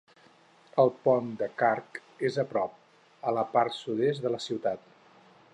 El pont de Krk és a prop, a la part sud-est de la ciutat.